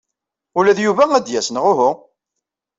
Ula d Yuba ad d-yas, neɣ uhu?